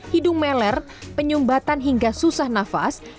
hidung meler penyumbatan hingga susah nafas